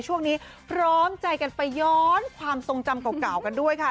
ช่วงนี้พร้อมใจกันไปย้อนความทรงจำเก่ากันด้วยค่ะ